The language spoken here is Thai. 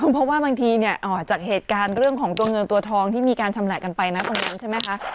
เพราะว่าบางทีเนี่ยจากเหตุการณ์เรื่องของตัวเงินตัวทองที่มีการชำแหละกันไปนะตรงนั้นใช่ไหมคะ